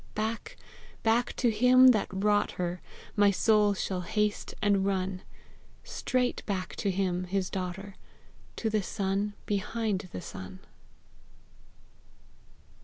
Back, back to him that wrought her My soul shall haste and run; Straight back to him, his daughter, To the sun behind the sun.